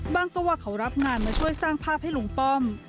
ตัวว่าเขารับงานมาช่วยสร้างภาพให้ลุงป้อม